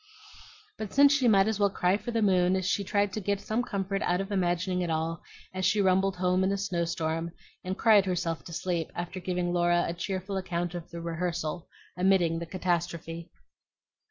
But since she might as well cry for the moon she tried to get some comfort out of imagining it all as she rumbled home in a snowstorm, and cried herself to sleep after giving Laura a cheerful account of the rehearsal, omitting the catastrophe.